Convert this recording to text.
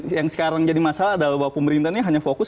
yang sekarang jadi masalah adalah bahwa pemerintah ini hanya fokus